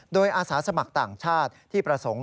โดยอาสาสมัครต่างชาติที่ประสงค์